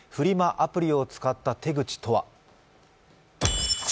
アプリを使った手口とは？